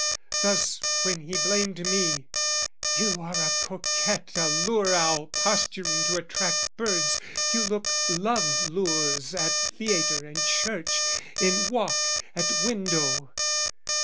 Thus, when he blamed me, "You are a coquette, "A lure owl posturing to attract birds, "You look love lures at theatre and church, "In walk, at window!"